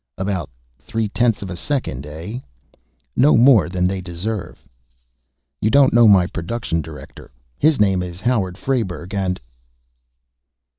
"About three tenths of a second, eh?" "No more than they deserve." "You don't know my Production Director. His name is Howard Frayberg, and